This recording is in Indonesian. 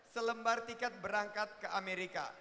selembar tiket berangkat ke amerika